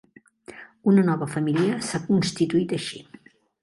Una nova família s'ha constituït així.